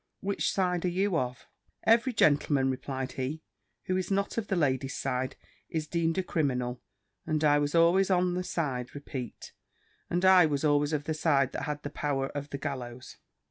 Which side are you of?" "Every gentleman," replied he, "who is not of the ladies' side, is deemed a criminal; and I was always of the side that had the power of the gallows."